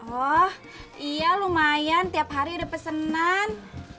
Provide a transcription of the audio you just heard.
oh iya lumayan tiap hari ada pesenan